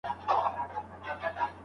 جبري نکاح باید ونه سي.